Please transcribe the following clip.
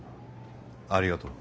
ありがとう。